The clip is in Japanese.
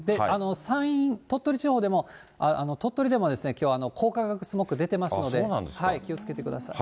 山陰、鳥取地方でも、鳥取でもきょう、光化学スモッグ出てますので、気をつけてください。